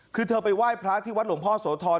คือเธอไปไหว้พระที่วัดหลวงพ่อโสธร